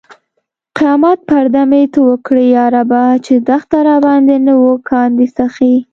قیامت پرده مې ته اوکړې یا ربه! چې دښنه راباندې نه و کاندي سخې